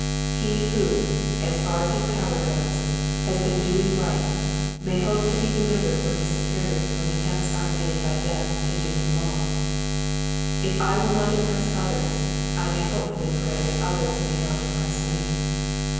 '*'^ He who, as far as his power goes, has been doing right, may hope to be delivered from his superiors when attempts are made by them to do him wrong. If I will not oppress others, I may hopefully pray that others may not oppress me.